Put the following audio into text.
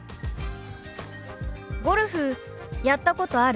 「ゴルフやったことある？」。